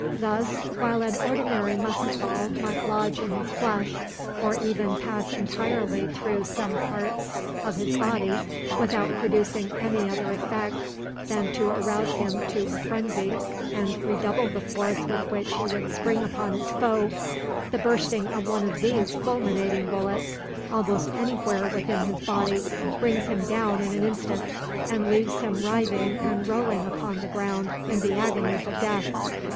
Thus, while an ordinary musket ball might lodge in his flesh, or even pass entirely through some parts of his body, without producing any other effect than to arouse him to a phrensy, and redouble the force with which he would spring upon his foe, the bursting of one of these fulminating bullets almost any where within his body brings him down in an instant, and leaves him writhing and rolling upon the ground in the agonies of death.